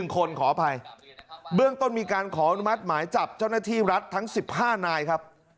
คนขออภัยเบื้องต้นมีการขออนุมัติหมายจับเจ้าหน้าที่รัฐทั้ง๑๕นายครับ